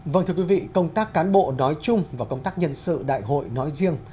vâng thưa quý vị công tác cán bộ nói chung và công tác nhân sự đại hội nói riêng